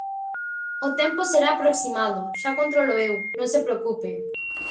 O tempo será aproximado, xa controlo eu, non se preocupe.